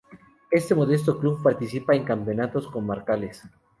Este modesto club participa en campeonatos comarcales.